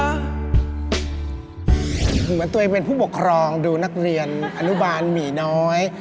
เหมือนตัวเองเป็นผู้ปกครองดูนักเรียนอนุบาลหมีน้อย